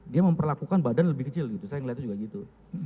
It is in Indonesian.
dia memperlakukan badan lebih kecil gitu saya ngelihatnya juga gitu